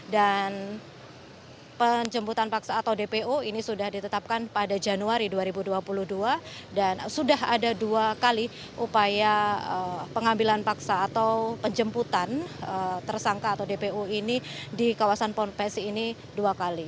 dan penjemputan paksa atau dpu ini sudah ditetapkan pada januari dua ribu dua puluh dua dan sudah ada dua kali upaya pengambilan paksa atau penjemputan tersangka atau dpu ini di kawasan pond pesi ini dua kali